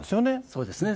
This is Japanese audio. そうですね。